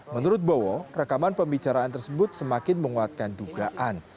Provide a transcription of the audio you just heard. menurut bowo rekaman pembicaraan tersebut semakin menguatkan dugaan